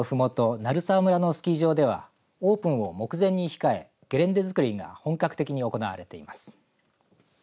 鳴沢村のスキー場ではオープンを目前に控えゲレンデ作りが本格的に行われています。